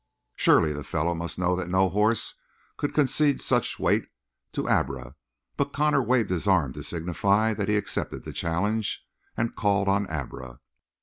Surely the fellow must know that no horse could concede such weight to Abra, but Connor waved his arm to signify that he accepted the challenge, and called on Abra.